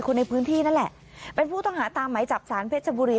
คนในพื้นที่นั่นแหละเป็นผู้ต้องหาตามไหมจับสารเพชรบุรี